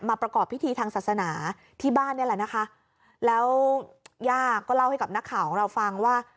ประกอบพิธีทางศาสนาที่บ้านนี่แหละนะคะแล้วย่าก็เล่าให้กับนักข่าวของเราฟังว่า